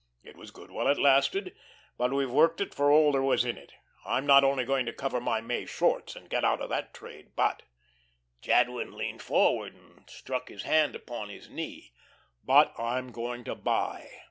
It was good while it lasted, but we've worked it for all there was in it. I'm not only going to cover my May shorts and get out of that trade, but" Jadwin leaned forward and struck his hand upon his knee "but I'm going to buy.